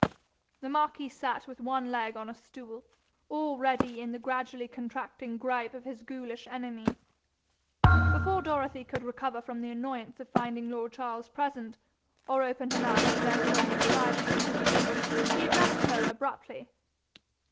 The marquis sat with one leg on a stool, already in the gradually contracting gripe of his ghoulish enemy. Before Dorothy could recover from the annoyance of finding lord Charles present, or open her mouth to beg for a more private interview, he addressed her abruptly.